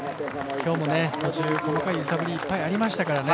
今日も途中、細かい揺さぶりいっぱいありましたからね。